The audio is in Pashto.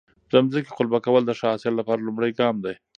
د ځمکې قلبه کول د ښه حاصل لپاره لومړی ګام دی.